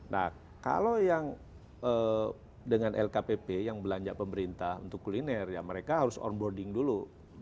nah kalau yang dengan lkpp yang belanja pemerintah untuk kuliner ya mereka harus onboarding dulu